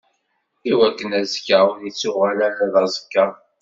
Iwakken azekka ur ittuɣal ara d aẓekka.